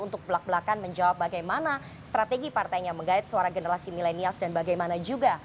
untuk belak belakan menjawab bagaimana strategi partainya mengait suara generasi milenials dan bagaimana juga